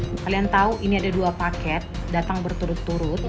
kalian tahu ini ada dua paket datang berturut turut